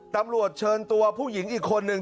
ตำรวจเชิญตัวผู้หญิงอีกคนนึง